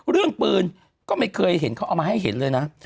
เรื่องปืนก็ไม่เคยเห็นเขาเอามาให้เห็นเลยนะ